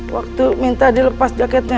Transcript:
waktu minta dilepas jaketnya